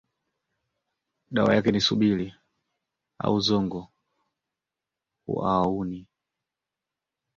Dawa yake ni subili, au zongo huauni